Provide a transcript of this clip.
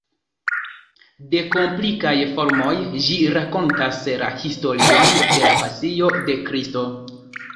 De komplikaj formoj, ĝi rakontas la historion de la Pasio de Kristo.